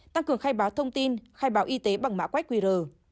tăng cường khai báo thông tin khai báo y tế bằng mã quét qr